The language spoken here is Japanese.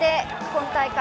今大会